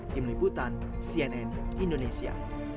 kim liputan cnn indonesia